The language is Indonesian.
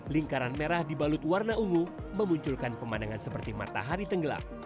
lingkaran merah dibalut warna ungu memunculkan pemandangan seperti matahari tenggelam